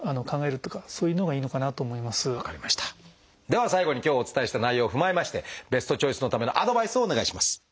では最後に今日お伝えした内容を踏まえましてベストチョイスのためのアドバイスをお願いします。